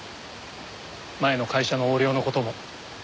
前の会社の横領の事も。